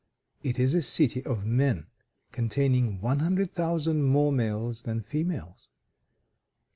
It is a city of men, containing one hundred thousand more males than females.